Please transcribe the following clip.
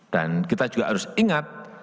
dan kita juga harus ingat